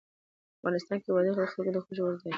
افغانستان کې وادي د خلکو د خوښې وړ ځای دی.